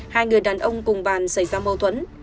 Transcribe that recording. hai người đàn ông cùng bàn xảy ra mâu thuẫn